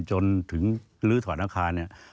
จนถึงลื้อถอนอาคารเนี่ย